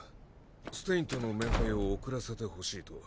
ステインとの面会を遅らせてほしいと。